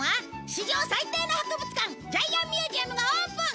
史上最低の博物館ジャイアンミュージアムがオープン！